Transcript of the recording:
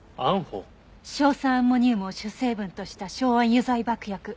硝酸アンモニウムを主成分とした硝安油剤爆薬。